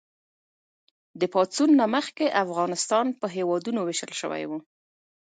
د پاڅون نه مخکې افغانستان په هېوادونو ویشل شوی و.